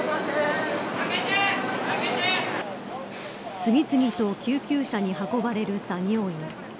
次々と救急車に運ばれる作業員。